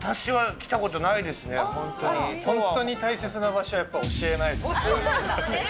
いや、本当に大切な場所は、やっぱり教えないです。